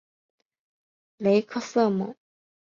雷克瑟姆。